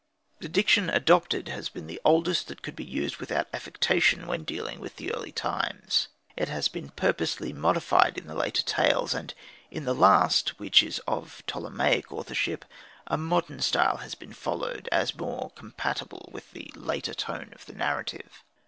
The diction adopted has been the oldest that could be used without affectation when dealing with the early times. It has been purposely modified in the later tales; and in the last which is of Ptolemaic authorship a modern style has been followed as more compatible with the later tone of the narrative.